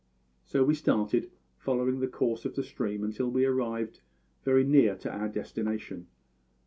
"So we started, following the course of the stream until we had arrived very near to our destination.